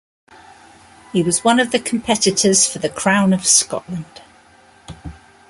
He was one of the Competitors for the Crown of Scotland.